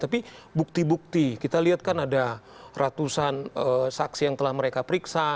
tapi bukti bukti kita lihat kan ada ratusan saksi yang telah mereka periksa